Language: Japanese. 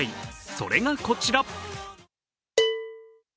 それがこちら。